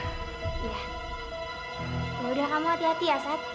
yaudah kamu hati hati ya sat